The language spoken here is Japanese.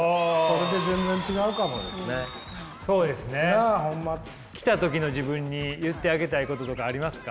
なあホンマ。来た時の自分に言ってあげたいこととかありますか？